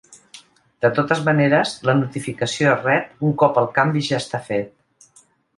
De totes maneres, la notificació es rep un cop el canvi ja està fet.